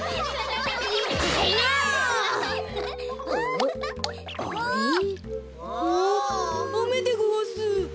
あっあめでごわす。